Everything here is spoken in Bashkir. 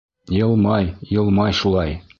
Йылмай-йылмай шулай.